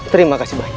terima kasih banyak